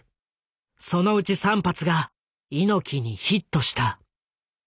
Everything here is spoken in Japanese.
そのうち３発が猪木にヒットした。